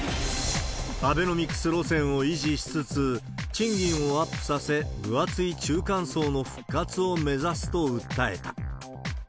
アベノミクス路線を維持しつつ、賃金をアップさせ、分厚い中間層の復活を目指すと訴えた。